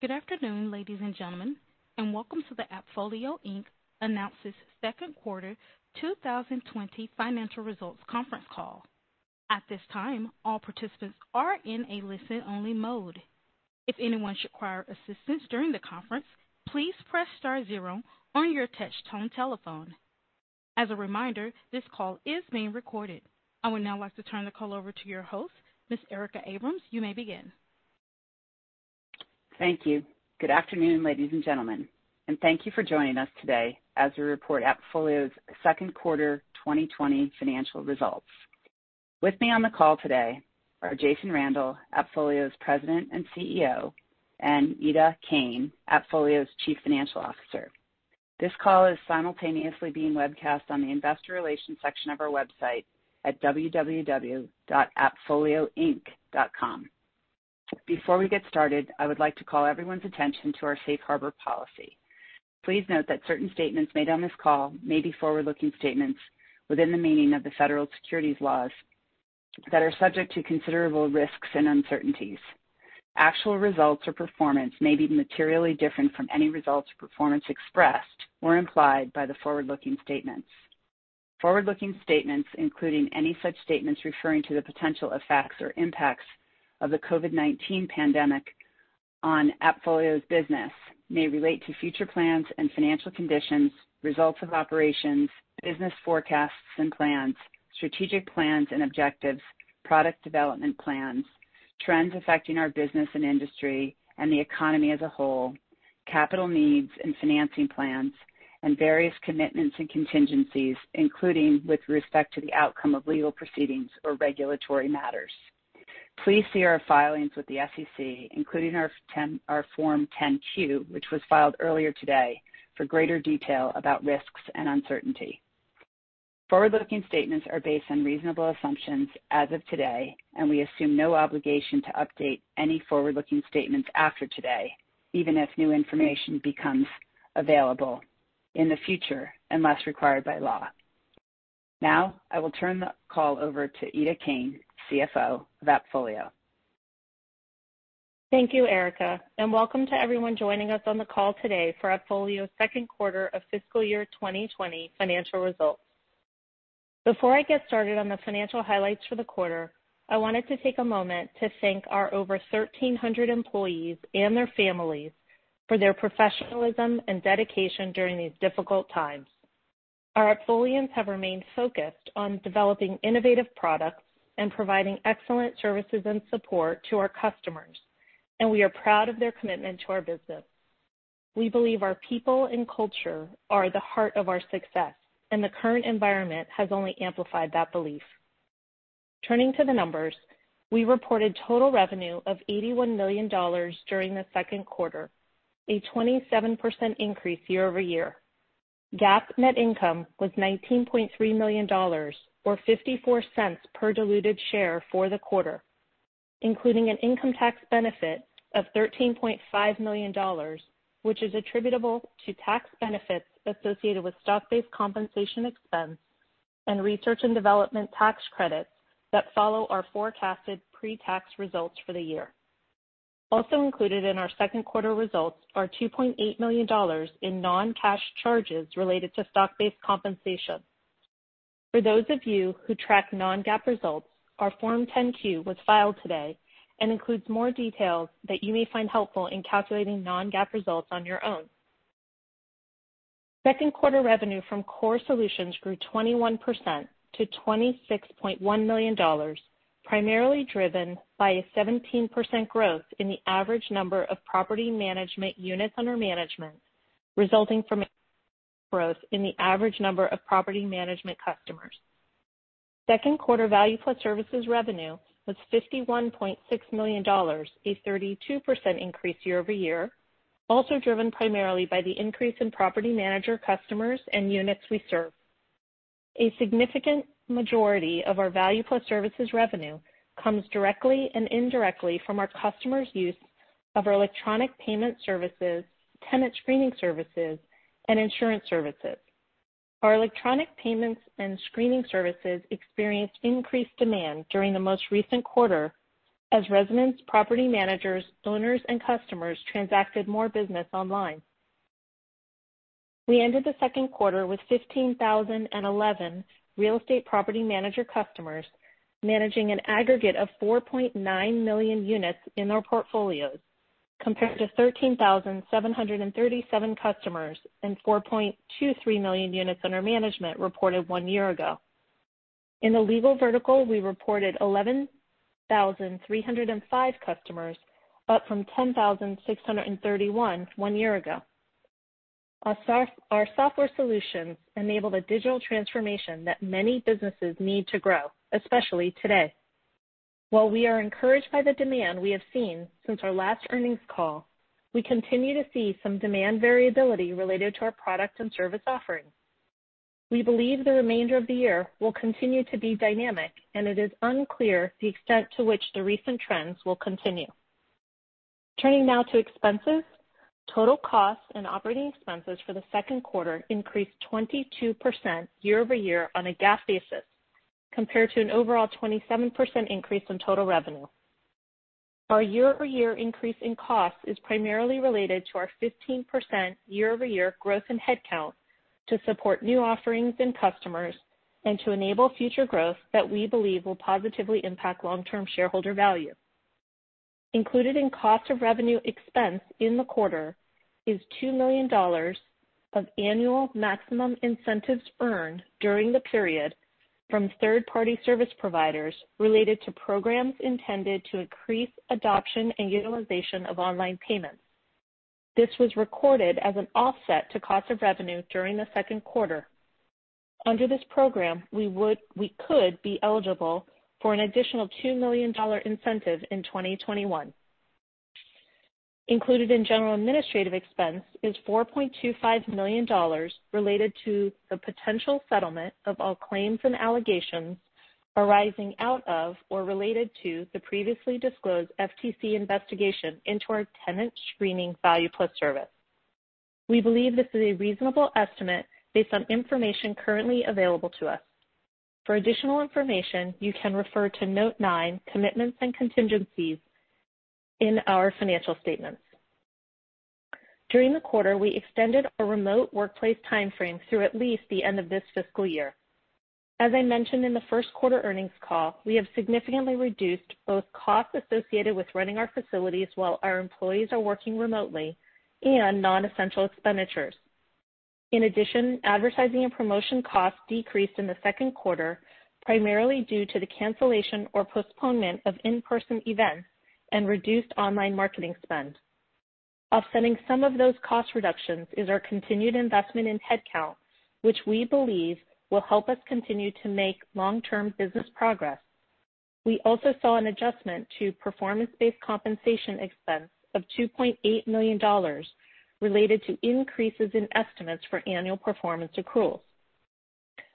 Good afternoon, ladies and gentlemen, and welcome to the AppFolio Inc Announces Q2 2020 Financial Results Conference Call. At this time, all participants are in a listen-only mode. If anyone should require assistance during the conference, please press star zero on your touch-tone telephone. As a reminder, this call is being recorded. I would now like to turn the call over to your host, Miss Erica Abrams. You may begin. Thank you. Good afternoon, ladies and gentlemen, and thank you for joining us today as we report AppFolio's Q2 2020 financial results. With me on the call today are Jason Randall, AppFolio's President and CEO, and Ida Kane, AppFolio's Chief Financial Officer. This call is simultaneously being webcast on the investor relations section of our website at www.appfolioinc.com. Before we get started, I would like to call everyone's attention to our Safe Harbor policy. Please note that certain statements made on this call may be forward-looking statements within the meaning of the federal securities laws that are subject to considerable risks and uncertainties. Actual results or performance may be materially different from any results or performance expressed or implied by the forward-looking statements. Forward-looking statements, including any such statements referring to the potential effects or impacts of the COVID-19 pandemic on AppFolio's business, may relate to future plans and financial conditions, results of operations, business forecasts and plans, strategic plans and objectives, product development plans, trends affecting our business and industry and the economy as a whole, capital needs and financing plans, and various commitments and contingencies, including with respect to the outcome of legal proceedings or regulatory matters. Please see our filings with the SEC, including our Form 10-Q, which was filed earlier today, for greater detail about risks and uncertainty. Forward-looking statements are based on reasonable assumptions as of today, and we assume no obligation to update any forward-looking statements after today, even if new information becomes available in the future unless required by law. Now, I will turn the call over to Ida Kane, CFO of AppFolio. Thank you, Erica, and welcome to everyone joining us on the call today for AppFolio's Q2 of fiscal-year 2020 financial results. Before I get started on the financial highlights for the quarter, I wanted to take a moment to thank our over 1,300 employees and their families for their professionalism and dedication during these difficult times. Our AppFolians have remained focused on developing innovative products and providing excellent services and support to our customers, and we are proud of their commitment to our business. We believe our people and culture are the heart of our success, and the current environment has only amplified that belief. Turning to the numbers, we reported total revenue of $81 million during the Q2, a 27% increase year-over-year. GAAP net income was $19.3 million or $0.54 per diluted share for the quarter, including an income tax benefit of $13.5 million, which is attributable to tax benefits associated with stock-based compensation expense and research and development tax credits that follow our forecasted pre-tax results for the year. Also included in our Q2 results are $2.8 million in non-cash charges related to stock-based compensation. For those of you who track non-GAAP results, our Form 10-Q was filed today and includes more details that you may find helpful in calculating non-GAAP results on your own. Q2 revenue from core solutions grew 21% to $26.1 million, primarily driven by a 17% growth in the average number of property management units under management, resulting from growth in the average number of property management customers. Q2 value plus services revenue was $51.6 million, a 32% increase year-over-year, also driven primarily by the increase in property manager customers and units we serve. A significant majority of our value plus services revenue comes directly and indirectly from our customers' use of our electronic payment services, tenant screening services, and insurance services. Our electronic payments and screening services experienced increased demand during the most recent quarter as residents, property managers, owners, and customers transacted more business online. We ended the Q2 with 15,011 real estate property manager customers managing an aggregate of 4.9 million units in our portfolios, compared to 13,737 customers and 4.23 million units under management reported one year ago. In the legal vertical, we reported 11,305 customers, up from 10,631 one year ago. Our software solutions enabled a digital transformation that many businesses need to grow, especially today. While we are encouraged by the demand we have seen since our last earnings call, we continue to see some demand variability related to our product and service offering. We believe the remainder of the year will continue to be dynamic, and it is unclear the extent to which the recent trends will continue. Turning now to expenses, total costs and operating expenses for the Q2 increased 22% year-over-year on a GAAP basis, compared to an overall 27% increase in total revenue. Our year-over-year increase in costs is primarily related to our 15% year-over-year growth in headcount to support new offerings and customers and to enable future growth that we believe will positively impact long-term shareholder value. Included in cost of revenue expense in the quarter is $2 million of annual maximum incentives earned during the period from third-party service providers related to programs intended to increase adoption and utilization of online payments. This was recorded as an offset to cost of revenue during the Q2. Under this program, we could be eligible for an additional $2 million incentive in 2021. Included in general administrative expense is $4.25 million related to the potential settlement of all claims and allegations arising out of or related to the previously disclosed FTC investigation into our tenant screening value plus service. We believe this is a reasonable estimate based on information currently available to us. For additional information, you can refer to Note 9, Commitments and Contingencies in our financial statements. During the quarter, we extended our remote workplace timeframe through at least the end of this fiscal year. As I mentioned in the Q1 earnings call, we have significantly reduced both costs associated with running our facilities while our employees are working remotely and non-essential expenditures. In addition, advertising and promotion costs decreased in the Q2, primarily due to the cancellation or postponement of in-person events and reduced online marketing spend. Offsetting some of those cost reductions is our continued investment in headcount, which we believe will help us continue to make long-term business progress. We also saw an adjustment to performance-based compensation expense of $2.8 million related to increases in estimates for annual performance accruals.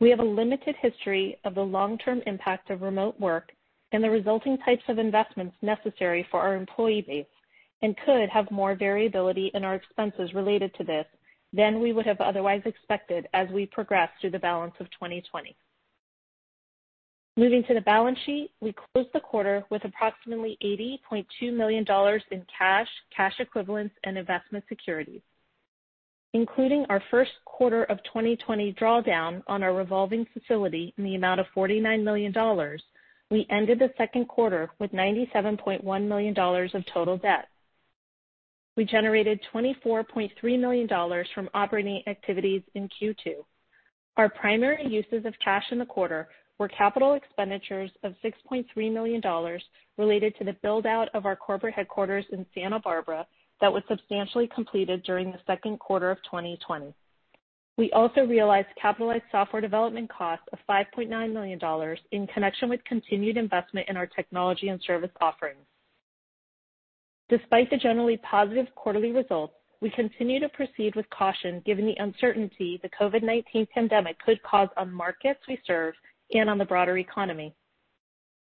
We have a limited history of the long-term impact of remote work and the resulting types of investments necessary for our employee base and could have more variability in our expenses related to this than we would have otherwise expected as we progress through the balance of 2020. Moving to the balance sheet, we closed the quarter with approximately $80.2 million in cash, cash equivalents, and investment securities. Including our Q1 of 2020 drawdown on our revolving facility in the amount of $49 million, we ended the Q2 with $97.1 million of total debt. We generated $24.3 million from operating activities in Q2. Our primary uses of cash in the quarter were capital expenditures of $6.3 million related to the build-out of our corporate headquarters in Santa Barbara that was substantially completed during the Q2 of 2020. We also realized capitalized software development costs of $5.9 million in connection with continued investment in our technology and service offerings. Despite the generally positive quarterly results, we continue to proceed with caution given the uncertainty the COVID-19 pandemic could cause on markets we serve and on the broader economy.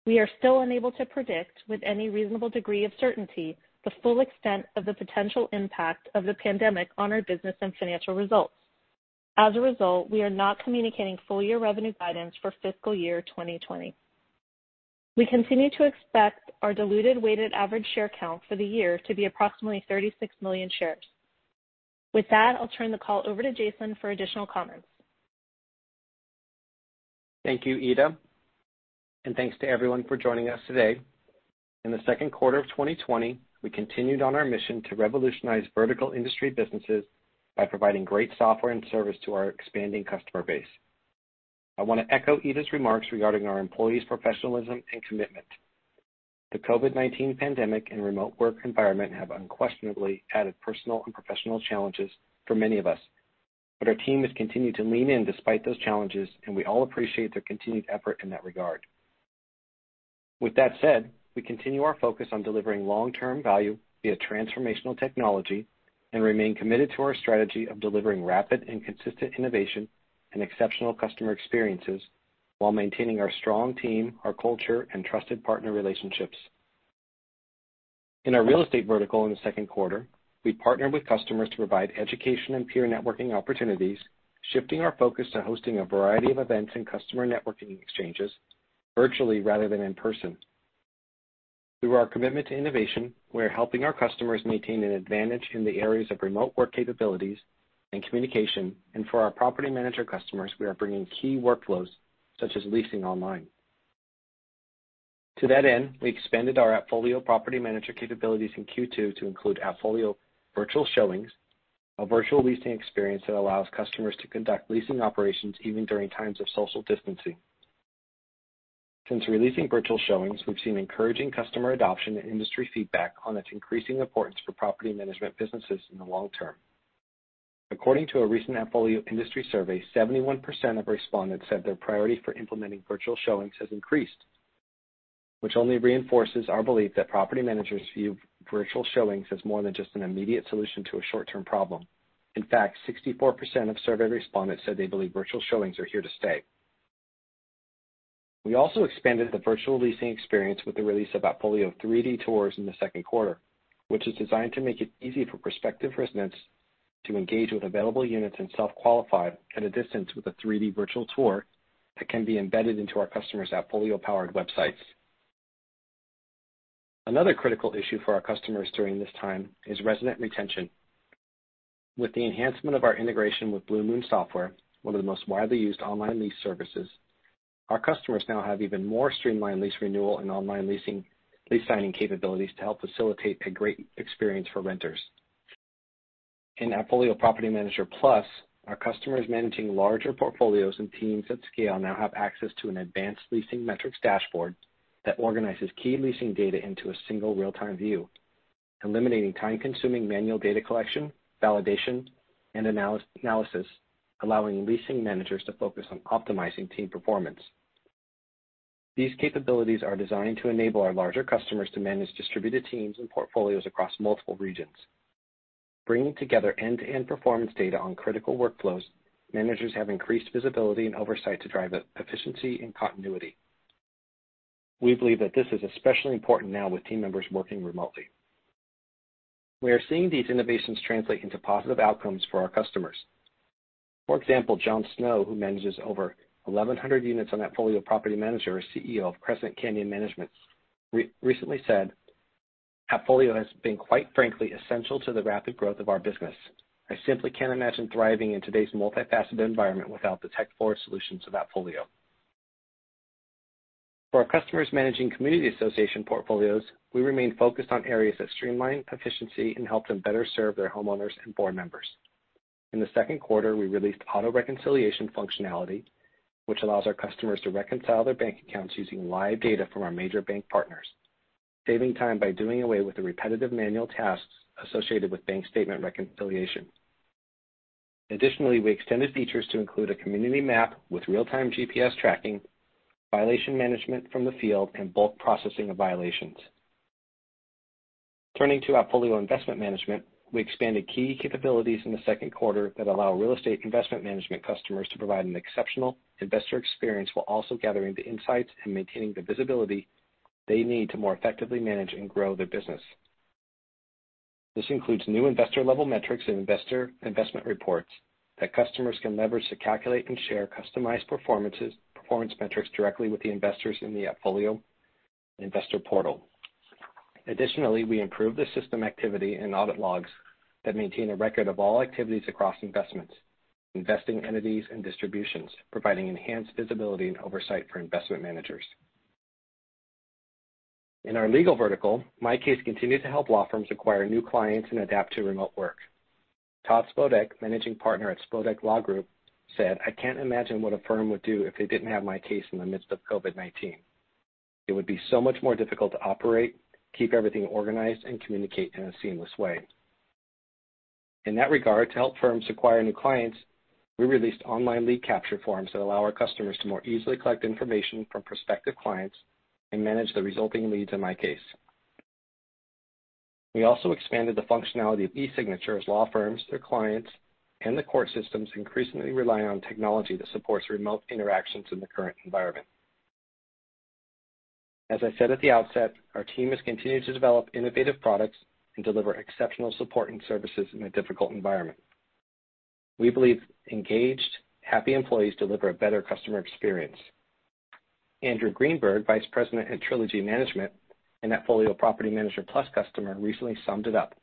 We are still unable to predict with any reasonable degree of certainty the full extent of the potential impact of the pandemic on our business and financial results. As a result, we are not communicating full year revenue guidance for fiscal year 2020. We continue to expect our diluted weighted average share count for the year to be approximately 36 million shares. With that, I'll turn the call over to Jason for additional comments. Thank you, Ida. Thank you to everyone for joining us today. In the Q2 of 2020, we continued on our mission to revolutionize vertical industry businesses by providing great software and service to our expanding customer base. I want to echo Ida's remarks regarding our employees' professionalism and commitment. The COVID-19 pandemic and remote work environment have unquestionably added personal and professional challenges for many of us, but our team has continued to lean in despite those challenges, and we all appreciate their continued effort in that regard. With that said, we continue our focus on delivering long-term value via transformational technology and remain committed to our strategy of delivering rapid and consistent innovation and exceptional customer experiences while maintaining our strong team, our culture, and trusted partner relationships. In our real estate vertical in the Q2, we partnered with customers to provide education and peer networking opportunities, shifting our focus to hosting a variety of events and customer networking exchanges virtually rather than in person. Through our commitment to innovation, we are helping our customers maintain an advantage in the areas of remote work capabilities and communication, and for our property manager customers, we are bringing key workflows such as leasing online. To that end, we expanded our AppFolio Property Manager capabilities in Q2 to include AppFolio Virtual Showings, a virtual leasing experience that allows customers to conduct leasing operations even during times of social distancing. Since releasing Virtual Showings, we've seen encouraging customer adoption and industry feedback on its increasing importance for property management businesses in the long term. According to a recent AppFolio industry survey, 71% of respondents said their priority for implementing virtual showings has increased, which only reinforces our belief that property managers view virtual showings as more than just an immediate solution to a short-term problem. In fact, 64% of survey respondents said they believe virtual showings are here to stay. We also expanded the virtual leasing experience with the release of AppFolio 3D Tours in the Q2, which is designed to make it easy for prospective residents to engage with available units and self-qualify at a distance with a 3D virtual tour that can be embedded into our customers' AppFolio-powered websites. Another critical issue for our customers during this time is resident retention. With the enhancement of our integration with Blue Moon Software, one of the most widely used online lease services, our customers now have even more streamlined lease renewal and online leasing lease signing capabilities to help facilitate a great experience for renters. In AppFolio Property Manager Plus, our customers managing larger portfolios and teams at scale now have access to an advanced leasing metrics dashboard that organizes key leasing data into a single real-time view, eliminating time-consuming manual data collection, validation, and analysis, allowing leasing managers to focus on optimizing team performance. These capabilities are designed to enable our larger customers to manage distributed teams and portfolios across multiple regions. Bringing together end-to-end performance data on critical workflows, managers have increased visibility and oversight to drive efficiency and continuity. We believe that this is especially important now with team members working remotely. We are seeing these innovations translate into positive outcomes for our customers. For example, John Snow, who manages over 1,100 units on AppFolio Property Manager or CEO of Crescent Canyon Management, recently said, "AppFolio has been, quite frankly, essential to the rapid growth of our business. I simply can't imagine thriving in today's multifaceted environment without the tech-forward solutions of AppFolio." For our customers managing community association portfolios, we remain focused on areas that streamline efficiency and help them better serve their homeowners and board members. In the Q2, we released auto-reconciliation functionality, which allows our customers to reconcile their bank accounts using live data from our major bank partners, saving time by doing away with the repetitive manual tasks associated with bank statement reconciliation. Additionally, we extended features to include a community map with real-time GPS tracking, violation management from the field, and bulk processing of violations. Turning to AppFolio Investment Management, we expanded key capabilities in the Q2 that allow real estate investment management customers to provide an exceptional investor experience while also gathering the insights and maintaining the visibility they need to more effectively manage and grow their business. This includes new investor-level metrics and investor investment reports that customers can leverage to calculate and share customized performance metrics directly with the investors in the AppFolio Investor Portal. Additionally, we improved the system activity and audit logs that maintain a record of all activities across investments, investing entities, and distributions, providing enhanced visibility and oversight for investment managers. In our legal vertical, MyCase continued to help law firms acquire new clients and adapt to remote work. Todd Spodek, Managing Partner at Spodek Law Group, said, "I can't imagine what a firm would do if they didn't have MyCase in the midst of COVID-19. It would be so much more difficult to operate, keep everything organized, and communicate in a seamless way." In that regard, to help firms acquire new clients, we released online lead capture forms that allow our customers to more easily collect information from prospective clients and manage the resulting leads in MyCase. We also expanded the functionality of e-signature as law firms, their clients, and the court systems increasingly rely on technology that supports remote interactions in the current environment. As I said at the outset, our team has continued to develop innovative products and deliver exceptional support and services in a difficult environment. We believe engaged, happy employees deliver a better customer experience. Andrew Greenberg, Vice President at Trilogy Management and AppFolio Property Manager Plus customer, recently summed it up.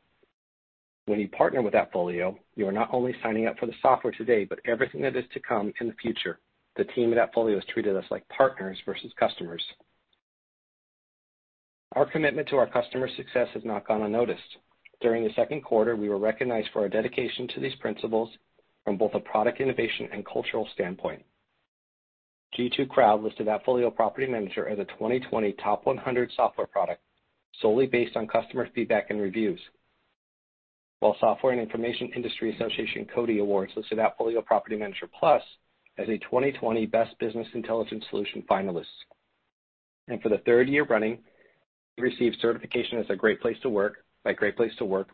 "When you partner with AppFolio, you are not only signing up for the software today, but everything that is to come in the future. The team at AppFolio has treated us like partners versus customers." Our commitment to our customer success has not gone unnoticed. During the Q2, we were recognized for our dedication to these principles from both a product innovation and cultural standpoint. G2 Crowd listed AppFolio Property Manager as a 2020 top 100 software product, solely based on customer feedback and reviews, while Software and Information Industry Association CODiE Awards listed AppFolio Property Manager Plus as a 2020 best business intelligence solution finalist. For the third year running, we received certification as a great place to work by Great Place to Work,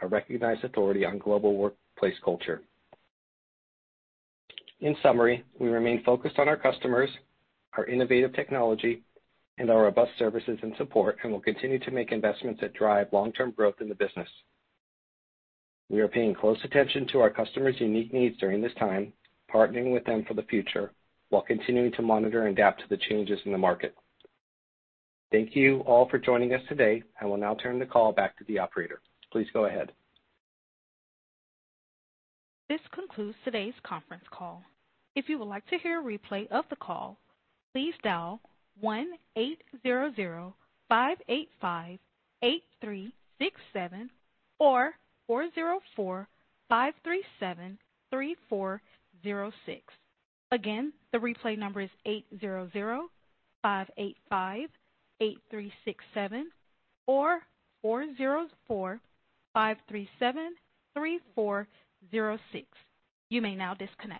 a recognized authority on global workplace culture. In summary, we remain focused on our customers, our innovative technology, and our robust services and support, and will continue to make investments that drive long-term growth in the business. We are paying close attention to our customers' unique needs during this time, partnering with them for the future while continuing to monitor and adapt to the changes in the market. Thank you all for joining us today. I will now turn the call back to the operator. Please go ahead. This concludes today's conference call. If you would like to hear a replay of the call, please dial 1-800-585-8367 or 404-537-3406. Again, the replay number is 800-585-8367 or 404-537-3406. You may now disconnect.